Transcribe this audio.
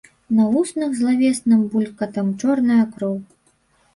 На вуснах злавесным булькатам чорная кроў.